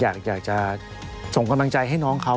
อยากจะส่งกำลังใจให้น้องเขา